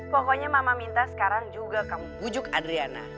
pokoknya mama minta sekarang juga kamu bujuk adriana